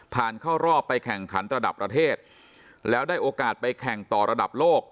เข้ารอบไปแข่งขันระดับประเทศแล้วได้โอกาสไปแข่งต่อระดับโลก